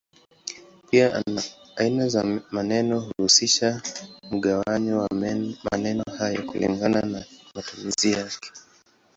Pia aina za maneno huhusisha mgawanyo wa maneno hayo kulingana na matumizi yake.